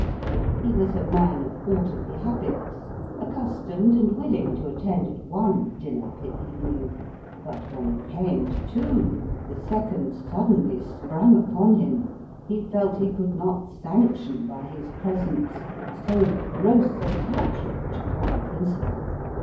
He was a man of orderly habits, accustomed and willing to attend at one dinner per evening ; but when it came to two, the second suddenly sprung upon him, he felt he could not sanction by his presence so gross an outrage upon principle.